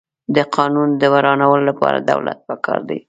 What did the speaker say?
د قانون د ورانولو لپاره دولت پکار دی.